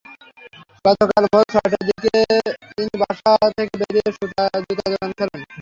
গতকাল ভোর ছয়টার দিকে তিনি বাসা থেকে বেরিয়ে জুতার দোকান খোলেন।